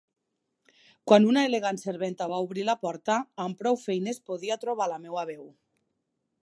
Quan una elegant serventa va obrir la porta, amb prou feines podia trobar la meva veu.